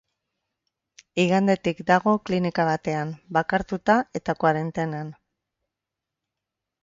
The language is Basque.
Igandetik dago klinika batean, bakartuta eta koarentenan.